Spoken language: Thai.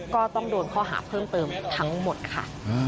ก็ต้องโดนข้อหาเพิ่มเติมทั้งหมดค่ะ